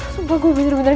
sumpah gue bener bener